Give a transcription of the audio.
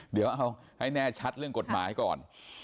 เดี๋ยวเอาให้แน่ชัดเรื่องกฎหมายก่อน